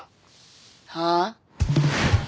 はあ？